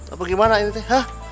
atau gimana ini tuh